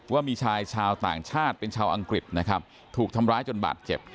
ว่ามีชายชาวต่างชาติเป็นชาวอังกฤษนะครับถูกทำร้ายจนบาดเจ็บ